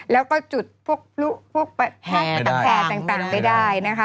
แล้วก็จุดพวกแผงต่างไปได้